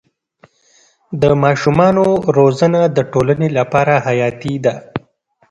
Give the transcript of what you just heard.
د ماشومانو روزنه د ټولنې لپاره حیاتي ده.